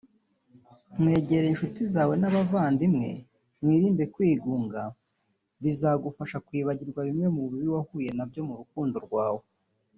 wegere inshuti zawe n’abavandimwe wirinde kwigunga bizagufasha kwibagirwa bimwe mu bibi wahuye nabyo mu rukundo rwawe